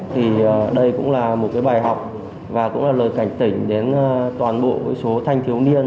thì đây cũng là một cái bài học và cũng là lời cảnh tỉnh đến toàn bộ số thanh thiếu niên